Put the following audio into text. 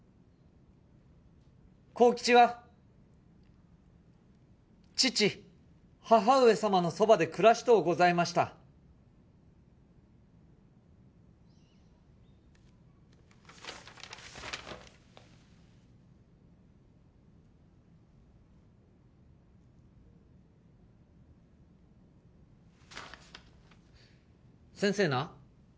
幸吉は父母上様の側で暮らしとうございました先生な